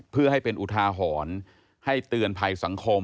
เพื่อให้เป็นอุทาหรณ์ให้เตือนภัยสังคม